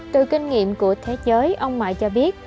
từ kinh nghiệm của thế giới ông mại cho biết